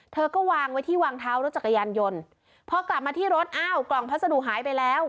เธอก็วางไว้ที่วางเท้ารถจักรยานยนต์พอกลับมาที่รถอ้าวกล่องพัสดุหายไปแล้ว